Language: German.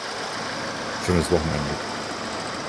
Schönes Wochende.